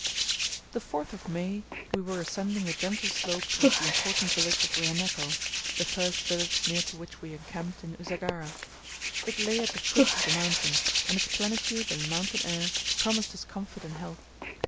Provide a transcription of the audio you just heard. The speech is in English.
The 4th of May we were ascending a gentle slope towards the important village of Rehenneko, the first village near to which we encamped in Usagara. It lay at the foot of the mountain, and its plenitude and mountain air promised us comfort and health.